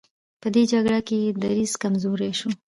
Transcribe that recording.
په دې جګړه کې یې دریځ کمزوری شو.